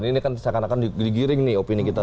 ini kan seakan akan digiring nih opini kita